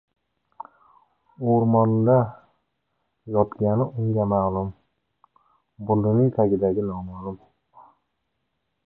• O‘rmonda yotgani unga ma’lum, burnining tagidagi noma’lum.